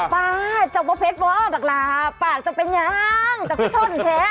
ป้าจะเป็นเพชรหวะปากลาปากจะเป็นยางจะเป็นท่นแท้